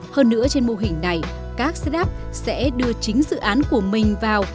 hơn nữa trên mô hình này các setup sẽ đưa chính dự án của mình vào